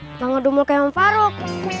nggak ngedumul kaya om faruk